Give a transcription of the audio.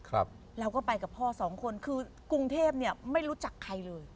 ครับเราก็ไปกับพ่อสองคนคือกรุงเทพเนี่ยไม่รู้จักใครเลย